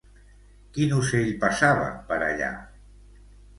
Quin ocell passava per allà?